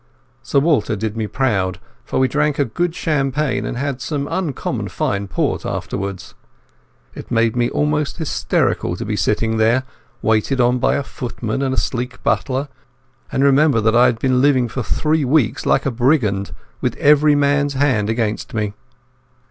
Sir Walter did me proud, for we drank a good champagne and had some uncommon fine port afterwards. It made me almost hysterical to be sitting there, waited on by a footman and a sleek butler, and remember that I had been living for three weeks like a brigand, with every man's hand against me.